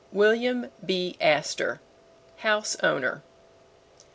WILLIAM B. ASTOR. HOUSE OWNER.